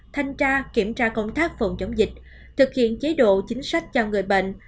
thanh tra kiểm tra công tác phòng chống dịch thực hiện chế độ chính sách cho người bệnh